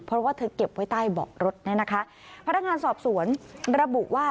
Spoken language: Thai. เพราะว่าเธอเก็บไว้ใต้เบาะรถเนี่ยนะคะพนักงานสอบสวนระบุว่า